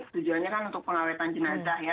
tujuannya kan untuk pengawetan jenazah ya